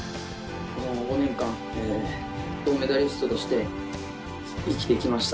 この５年間、銅メダリストとして生きてきました。